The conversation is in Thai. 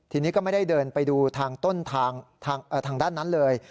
ทีนี้ก็ไม่ได้เดินไปดูทางต้นทางด้านนั้นเลย